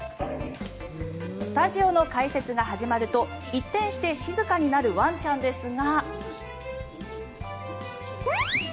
スタジオの解説が始まると一転して、静かになるワンちゃんですが。